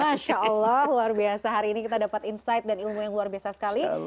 masya allah luar biasa hari ini kita dapat insight dan ilmu yang luar biasa sekali